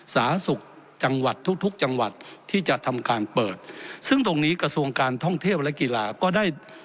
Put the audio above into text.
สาธารณสุขจังหวัดทุกทุกจังหวัดที่จะทำการเปิดซึ่งตรงนี้กระทรวงการท่องเที่ยวและกีฬาก็ได้